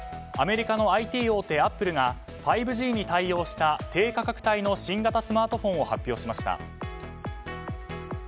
アメリカのＩＴ大手アップルが５Ｇに対応した低価格帯の新型スマートフォンを発表しました。